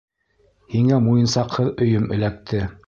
Һиңә муйынсаҡһыҙ өйөм эләкте!